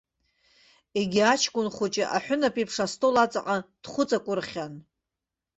Егьи аҷкәын хәыҷы, аҳәынаԥ еиԥш астол аҵаҟа дхәыҵакәырхьан.